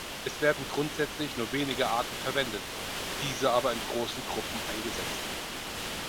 Es werden grundsätzlich nur wenige Arten verwendet, diese aber in großen Gruppen eingesetzt.